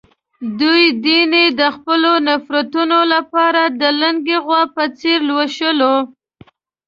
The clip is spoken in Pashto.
دوی دین یې د خپلو نفرتونو لپاره د لُنګې غوا په څېر لوشلو.